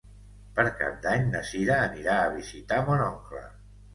Per Cap d'Any na Sira anirà a visitar mon oncle.